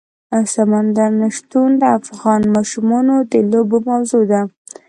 سمندر نه شتون د افغان ماشومانو د لوبو موضوع ده.